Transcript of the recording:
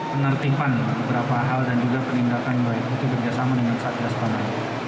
penertiban beberapa hal dan juga penindakan itu berdasarkan dengan satya spanak